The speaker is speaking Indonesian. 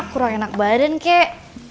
kurang enak badan kek